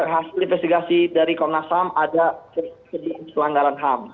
hasil investigasi dari komnas ham ada kesedihan selanggaran ham